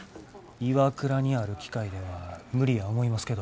ＩＷＡＫＵＲＡにある機械では無理や思いますけど。